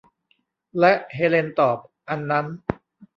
และเฮเลนตอบ อันนั้น